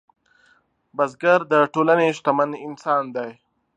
بزګر د ټولنې شتمن انسان دی